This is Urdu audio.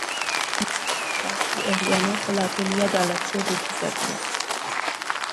اداکار محسن عباس کی اہلیہ نے خلع کے لیے عدالت سےرجوع کر لیا